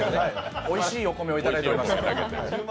おいしいお米を頂いております。